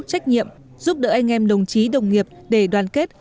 trách nhiệm giúp đỡ anh em đồng chí đồng nghiệp để đoàn kết